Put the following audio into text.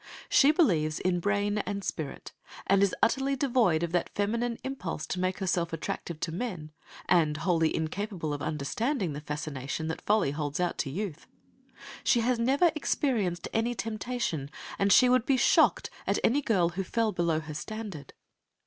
She believes in brain and spirit, and is utterly devoid of that feminine impulse to make herself attractive to men, and wholly incapable of understanding the fascination that Folly holds out to youth. She has never experienced any temptation, and she would be shocked at any girl who fell below her standard.